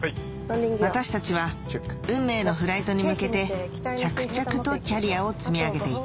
私たちは運命のフライトに向けて着々とキャリアを積み上げていた